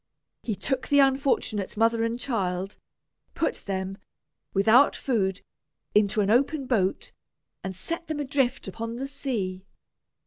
He took the unfortunate mother and child, put them, without food, into an open boat, and set them adrift upon the sea.